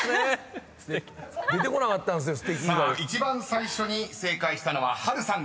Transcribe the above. ［一番最初に正解したのは波瑠さんでした］